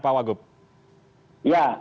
pak wagub ya